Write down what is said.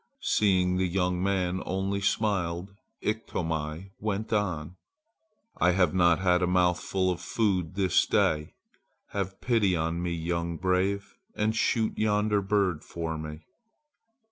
Seeing the young man only smiled Iktomi went on: "I have not had a mouthful of food this day. Have pity on me, young brave, and shoot yonder bird for me!"